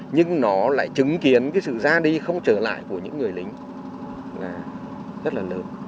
nhưng nó lại chứng kiến cái sự ra đi không trở lại của những người lính là rất là lớn